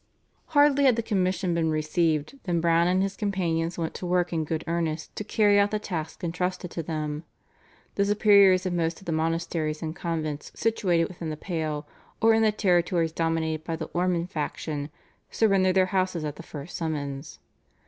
Hardly had the commission been received than Browne and his companions went to work in good earnest to carry out the task entrusted to them. The superiors of most of the monasteries and convents situated within the Pale or in the territories dominated by the Ormond faction surrendered their houses at the first summons.